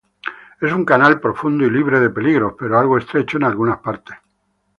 Es un canal profundo y libre de peligros, pero algo estrecho en algunas partes.